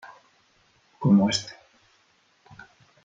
como este .